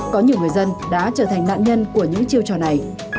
có nhiều người dân đã trở thành nạn nhân của những chiêu trò này